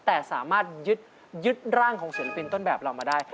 แต่สามารถยึดร่างของศิลปินต้นแบบเรามาได้